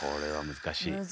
難しい。